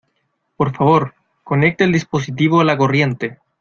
Por favor, conecte el dispositivo a la corriente.